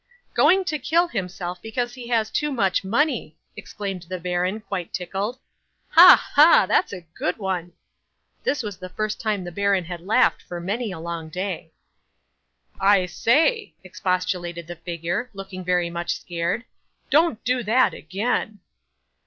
'"Going to kill himself because he has too much money!" exclaimed the baron, quite tickled. "Ha! ha! that's a good one." (This was the first time the baron had laughed for many a long day.) '"I say," expostulated the figure, looking very much scared; "don't do that again."